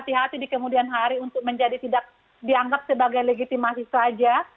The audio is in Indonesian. hati hati di kemudian hari untuk menjadi tidak dianggap sebagai legitimasi saja